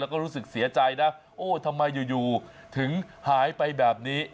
แล้วก็รู้สึกเสียใจนะโอ้ทำไมอยู่ถึงหายไปแบบนี้